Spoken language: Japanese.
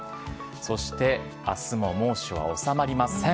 そして明日も猛暑は収まりません。